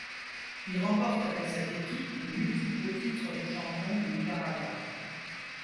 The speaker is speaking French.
Il remporte avec cette équipe de multiples titres de champion du Nicaragua.